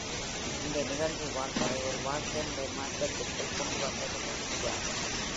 இந்த நிகழ்வு வாக்கரை ஒரு வாழ்க்கை முறை மாற்றத்திற்குள் கொண்டுவந்த வினையூக்கியாகும்.